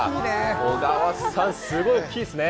小川さん、すごい大きいですね。